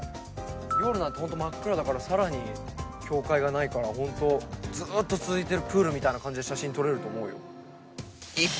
夜なんて真っ暗だからさらに境界がないからずーっと続いてるプールみたいな感じで写真撮れると思うよ。